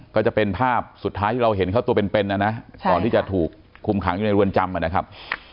ก็จะเป็นภาพสุดท้ายที่เราเห็นเขาตัวเป็นนะนะก่อนที่จะถูกคุมขังอยู่ในเรือนจำนะครับ